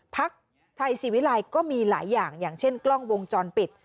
พักไทยศิวิลัยก็มีหลายอย่างอย่างเช่นกล้องวงจรปิด